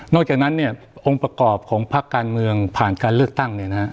นอกจากนั้นองค์ประกอบของภาคการเมืองผ่านการเลือกตั้ง